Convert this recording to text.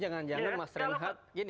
jangan jangan mas renhat